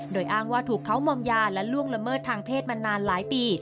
โดยอ้างว่าถูกเขามอมยาและล่วงละเมิดทางเพศมานานหลายปี